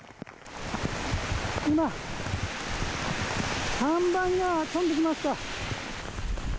今、看板が飛んできました！